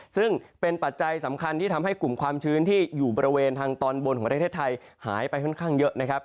ซึ่งเป็นปัจจัยสำคัญที่ทำให้กลุ่มความชื้นที่อยู่บริเวณทางตอนบนของประเทศไทยหายไปค่อนข้างเยอะนะครับ